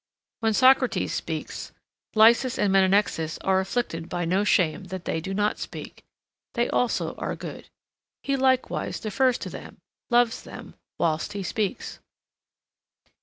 When Socrates speaks, Lysis and Menexenus are afflicted by no shame that they do not speak. They also are good. He likewise defers to them, loves them, whilst he speaks.